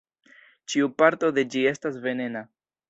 Ĉiu parto de ĝi estas venena.